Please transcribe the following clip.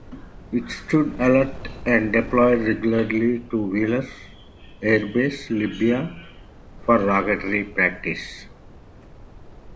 It stood alert and deployed regularly to Wheelus Air Base, Libya, for rocketry practice.